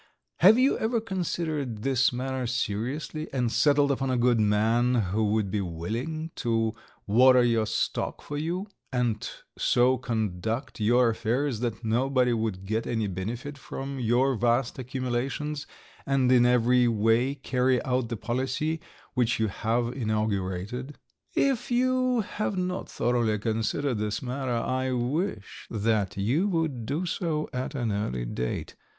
Have you ever considered this matter seriously and settled upon a good man who would be willing to water your stock for you, and so conduct your affairs that nobody would get any benefit from your vast accumulations, and in every way carry out the policy which you have inaugurated? "If you have not thoroughly considered this matter I wish that you would do so at an early date.